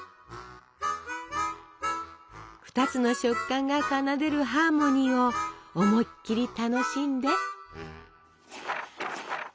２つの食感が奏でるハーモニーを思いっきり楽しんで。